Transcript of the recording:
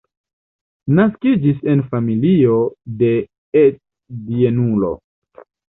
Naskiĝis en familio de et-bienulo.